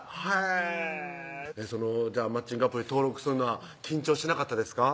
へぇマッチングアプリに登録するのは緊張しなかったですか？